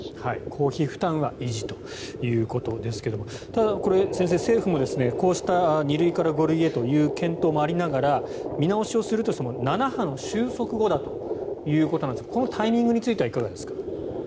公費負担は維持ということですけどもただこれ、先生政府もこうした２類から５類へという検討もありながら見直しをするとしても第７波の収束後だということですがこのタイミングについてはいかがですか。